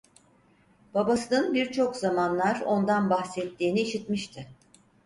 Babasının birçok zamanlar ondan bahsettiğini işitmişti.